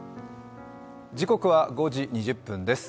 時刻は５時２０分です。